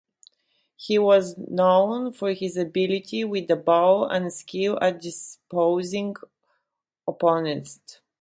He was known for his ability with the ball and skill at dispossessing opponents.